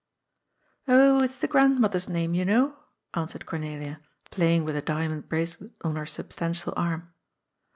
''^' Oh, it is the grandmother's name, you know," an swered Cornelia, playing with the diamond bracelet on her substantial arm.